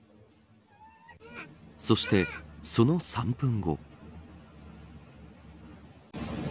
そして、その３分後。